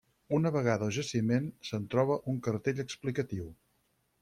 Una vegada al jaciment, se'n troba un cartell explicatiu.